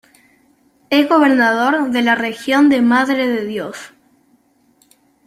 Es gobernador de la región de Madre de Dios.